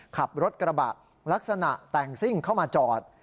ขับรถกระบะลักษณะแต่งซิ่งเข้ามาจอด